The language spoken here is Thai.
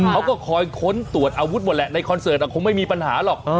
เขาก็คอยค้นตรวจอาวุธหมดแหละในคอนเสิร์ตคงไม่มีปัญหาหรอก